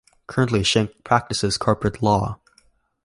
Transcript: Currently, Schenk practices corporate law.